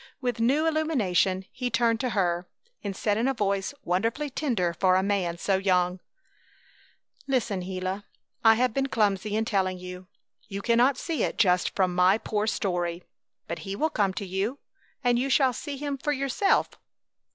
With new illumination he turned to her and said in a voice wonderfully tender for a man so young: "Listen, Gila! I have been clumsy in telling you! You cannot see it just from my poor story. But He will come to you and you shall see Him for yourself!